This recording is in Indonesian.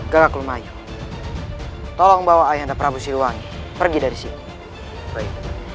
gagakul mayu tolong bawa ayanda prabu siluwangi pergi dari sini